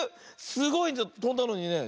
すごいとんだのにね。